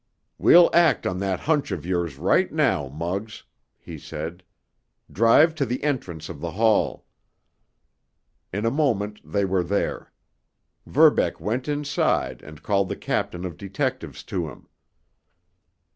"We'll act on that hunch of yours right now, Muggs," he said. "Drive to the entrance of the hall." In a moment they were there. Verbeck went inside and called the captain of detectives to him.